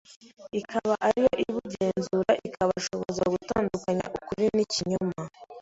ikaba ariyo ibugenzura, ikabashoboza gutandukanya ukuri n’ikinyoma,